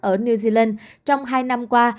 ở new zealand trong hai năm qua